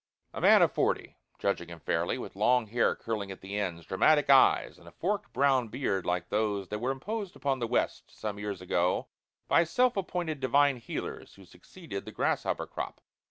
A man of forty, judging him fairly, with long hair curling at the ends, dramatic eyes, and a forked brown beard like those that were imposed upon the West some years ago by self appointed "divine healers" who succeeded the grasshopper crop.